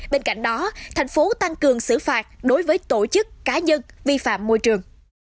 bên cạnh đó thành phố tăng cường xử phạt đối với tổ chức cá nhân vi phạm môi trường